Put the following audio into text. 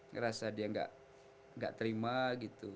ngerasa dia nggak terima gitu